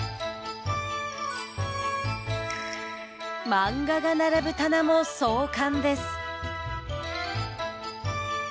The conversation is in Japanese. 漫画が並ぶ棚も壮観です。